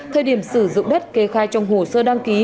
thời điểm sử dụng đất kê khai trong hồ sơ đăng ký